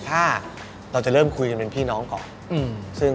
ถ้าเราจะเริ่มคุยกันเป็นพี่น้องก่อน